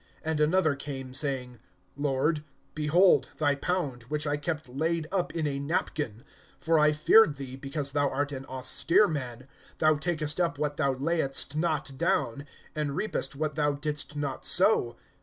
(20)And another came, saying: Lord, behold thy pound, which I kept laid up in a napkin. (21)For I feared thee, because thou art an austere man; thou takest up what thou layedst not down, and reapest what thou didst not sow.